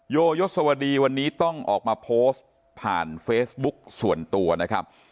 โยยศวดีวันนี้ต้องออกมาโพสต์ผ่านเฟซบุ๊กส่วนตัวนะครับ